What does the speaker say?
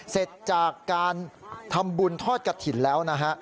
เสร็จจากการทำบุญทอดกระถิ่นแล้วนะฮะ